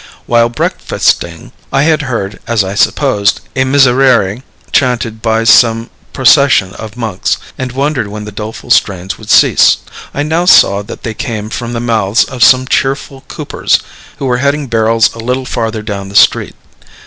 While breakfasting, I had heard, as I supposed, a miserere chanted by some procession of monks, and wondered when the doleful strains would cease. I now saw that they came from the mouths of some cheerful coopers, who were heading barrels a little farther down the street.